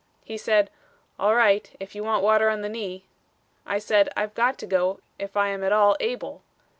He said, 'All right, if you want water on the knee.' I said, 'I've got to go if I am at all able.'